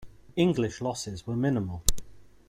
English losses were minimal.